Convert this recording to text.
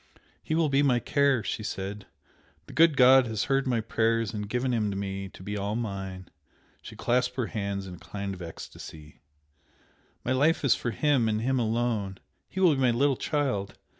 "He will be my care!" she said "The good God has heard my prayers and given him to me to be all mine!" She clasped her hands in a kind of ecstasy, "My life is for him and him alone! He will be my little child!